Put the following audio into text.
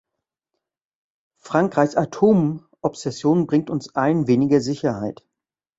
Frankreichs Atomobsession bringt uns allen weniger Sicherheit.